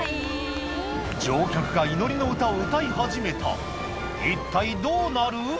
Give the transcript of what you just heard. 乗客が祈りの歌を歌い始めた一体どうなる⁉